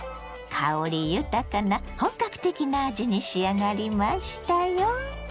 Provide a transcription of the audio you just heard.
香り豊かな本格的な味に仕上がりましたよ。